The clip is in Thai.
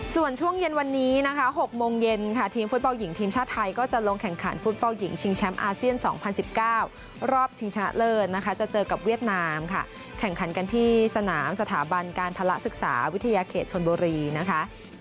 ส่วนช่วงเย็นวันนี้นะคะ๖โมงเย็นค่ะทีมฟุตบอลหญิงทีมชาติไทยก็จะลงแข่งขันฟุตบอลหญิงชิงแชมป์อาเซียน๒๐๑๙รอบชิงชนะเลิศนะคะจะเจอกับเวียดนามค่ะแข่งขันกันที่สนามสถาบันการภาระศึกษาวิทยาเขตชนบุรีนะคะ